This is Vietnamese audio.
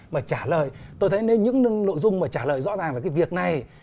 mà trả lời tôi thấy những nội dung mà trả lời rõ ràng về cái việc này